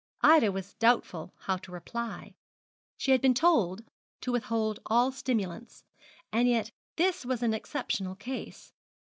Ida was doubtful how to reply. She had been told to withhold all stimulants, and yet this was an exceptional case.